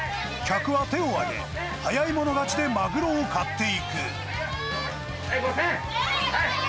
客は手を挙げ、早い者勝ちでマグロを買っていく。